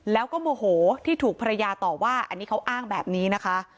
แล้วก็โมโหที่ถูกภรรยาต่อว่าอันนี้เขาอ้างแบบนี้นะคะ